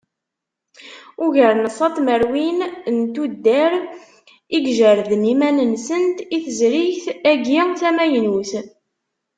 Ugar n ṣa tmerwin n tuddar i ijerrden iman-nsent i tezrigt-agi tamaynut.